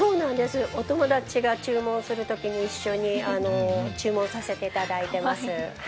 お友達が注文するときに一緒に注文させていただいてます。